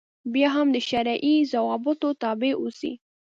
بیا هم د شرعي ضوابطو تابع اوسي.